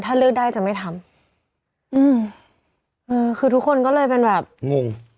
ถ้าเลือกได้จะไม่ทำอืมเออคือทุกคนก็เลยเป็นแบบงง